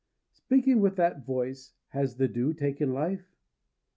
Speaking with that voice, has the dew taken life?